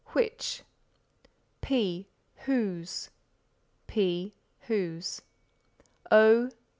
Which P. Whose P. Whose O.